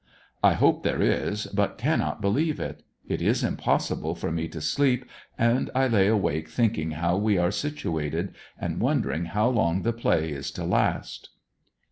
I hope there is but cannot believe it. It is impossible for me to sleep and I lay awake think ing how we are situated and wondering how long the play is to last.